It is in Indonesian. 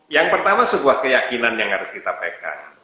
yang pertama sebuah keyakinan yang harus kita pegang